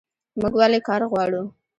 موږ ولې کار غواړو؟